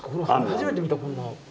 初めて見たこんなの。